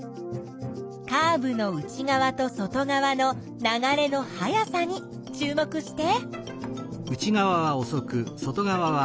カーブの内側と外側の流れの速さに注目して。